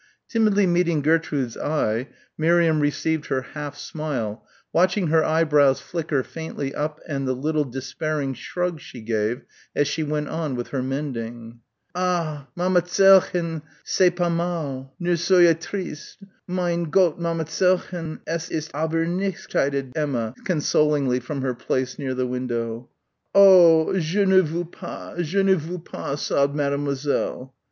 Timidly meeting Gertrude's eye Miriam received her half smile, watched her eyebrows flicker faintly up and the little despairing shrug she gave as she went on with her mending. "Ah, mammaz_ell_chen c'est pas mal, ne soyez triste, mein Gott mammazellchen es ist aber nichts!" chided Emma consolingly from her place near the window. "Oh! je ne veux pas, je ne veux pas," sobbed Mademoiselle.